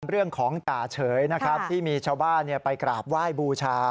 เรื่องของจ่าเฉยนะครับที่มีชาวบ้านไปกราบไหว้บูชา